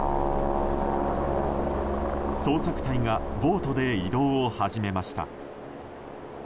捜索隊がボートで移動を始めました。